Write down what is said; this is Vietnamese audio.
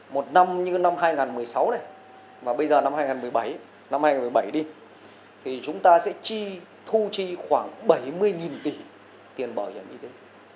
một năm như năm hai nghìn một mươi sáu này và bây giờ năm hai nghìn một mươi bảy đi thì chúng ta sẽ thu chi khoảng bảy mươi tỷ tiền bảo hiểm y tế